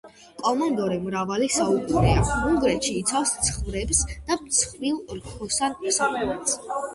კომონდორი მრავალი საუკუნეა უნგრეთში იცავს ცხვრებს და მსხვილ რქოსან საქონელს.